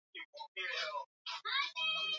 kuiwezesha Real Madrid kushinda Copa Del rey